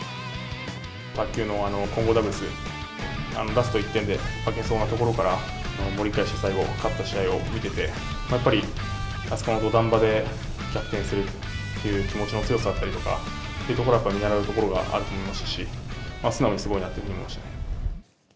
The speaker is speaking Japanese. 卓球の混合ダブルス、ラスト１点で負けそうなところから、盛り返して最後、勝った試合を見てて、やっぱりあそこの土壇場で逆転するという気持ちの強さだったりとかというところは、見習うところがあると思うし、素直にすごいなと思いました。